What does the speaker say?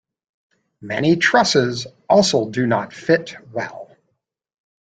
Many trusses also do not fit well.